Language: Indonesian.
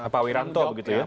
pak wiranto begitu ya